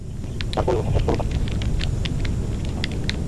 তারপরেও হঠাৎ কোনো বাড়ির ছাদের ওপর দেখা গেছে আতশবাজির ফুলকি, ঠুসঠাস আওয়াজ।